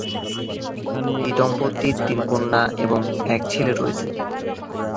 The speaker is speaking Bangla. এই দম্পতির তিন কন্যা এবং এক ছেলে রয়েছে।